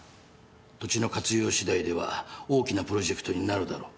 土地の活用しだいでは大きなプロジェクトになるだろう。